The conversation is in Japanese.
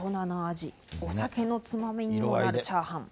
お酒のつまみにもなるチャーハン。